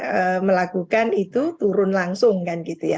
tidak boleh melakukan itu turun langsung kan gitu ya